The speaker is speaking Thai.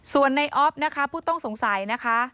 ส่วนในอ๊อฟนะครับผู้ต้องสงสัยนะครับ